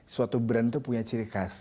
suatu brand itu punya ciri khas